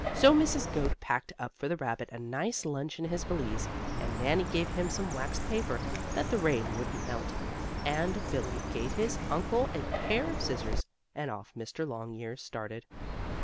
So Mrs. Goat packed up for the rabbit a nice lunch in his valise, and Nannie gave him some waxed paper, that the rain wouldn't melt, and Billie gave his uncle a pair of scissors, and off Mr. Longears started.